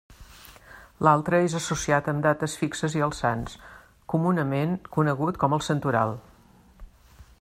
L'altre és associat amb dates fixes i els sants, comunament conegut com el Santoral.